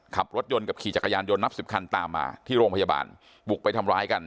ขับรถยนต์กับขี่จักรยานยนต์นับสิบคันตามมาที่โรงพยาบาลบุกไปทำร้ายกัน